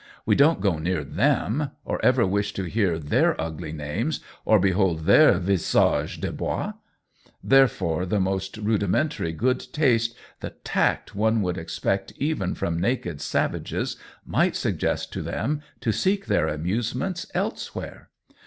We don't go near Ikem, or ever wish to hear their ugly names or behold their visages de bois; therefore the most rudimentary good taste, the tact one would expect even from naked savages, might suggest to them to seek their amusements elsewhere.